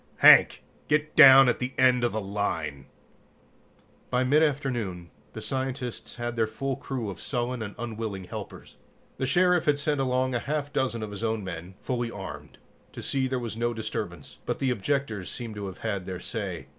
"Hank, get down at the end of the line!" By mid afternoon, the scientists had their full crew of sullen and unwilling helpers. The Sheriff had sent along a half dozen of his own men, fully armed, to see there was no disturbance, but the objectors seemed to have had their say.